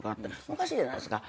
おかしいじゃないですか。